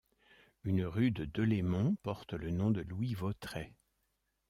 Une rue de Delémont porte le nom de Louis Vautrey.